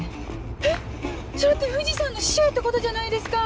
えっそれって藤さんの師匠ってことじゃないですか！